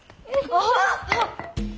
あっ！